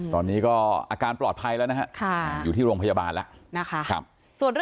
ตอนนี้ก็อาการปลอดภัยแล้วนะฮะอยู่ที่โรงพยาบาลแล้วนะคะ